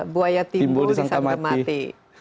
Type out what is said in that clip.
buaya timbul disangka mati